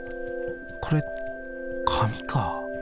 これ紙か。